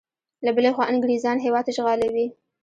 له بلې خوا انګریزیان هیواد اشغالوي.